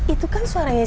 itu kan suaranya sylvia